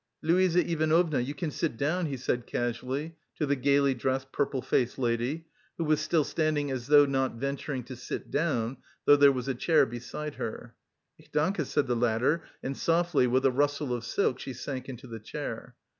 "Luise Ivanovna, you can sit down," he said casually to the gaily dressed, purple faced lady, who was still standing as though not venturing to sit down, though there was a chair beside her. "Ich danke," said the latter, and softly, with a rustle of silk she sank into the chair.